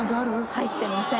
入ってません。